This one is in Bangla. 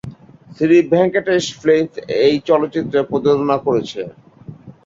শ্রী ভেঙ্কটেশ ফিল্মস এই চলচ্চিত্রের প্রযোজনা করেছে।